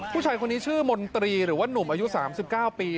ผู้ชายคนนี้ชื่อมนตรีหรือว่านุ่มอายุ๓๙ปี